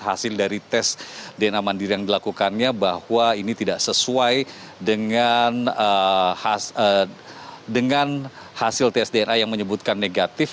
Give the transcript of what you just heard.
hasil dari tes dna mandiri yang dilakukannya bahwa ini tidak sesuai dengan hasil tes dna yang menyebutkan negatif